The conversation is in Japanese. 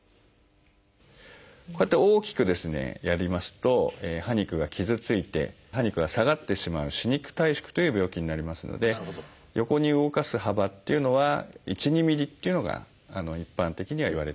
こうやって大きくですねやりますと歯肉が傷ついて歯肉が下がってしまう「歯肉退縮」という病気になりますので横に動かす幅っていうのは１２ｍｍっていうのが一般的にはいわれております。